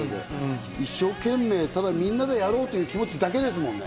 一生懸命、ただみんなでやろうという気持ちだけですもんね。